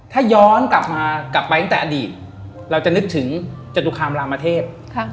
ถ้าย้อนกลับมากลับไปตั้งแต่อดีตเราจะนึกถึงจตุคามรามเทพ